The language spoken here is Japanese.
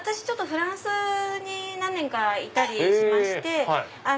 フランスに何年かいたりしまして。